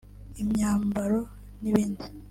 imyambaro n’ibindi